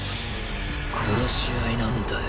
殺し合いなんだよ